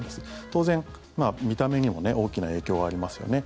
当然、見た目にも大きな影響がありますよね。